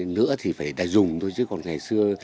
nữa thì phải dùng thôi chứ còn ngày xưa